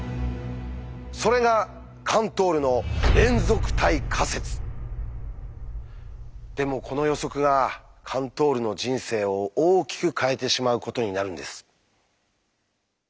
それがカントールのでもこの予測がカントールの人生を大きく変えてしまうことになるんです。